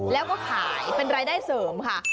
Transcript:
แล้วก็ขายเป็นรายได้เสริมค่ะ